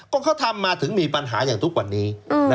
ก็เขาทำมาถึงมีปัญหาอย่างทุกวันนี้